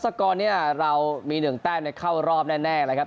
สกอร์นี้เรามี๑แต้มเข้ารอบแน่นะครับ